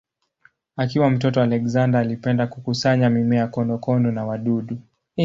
Akiwa mtoto Alexander alipenda kukusanya mimea, konokono na wadudu.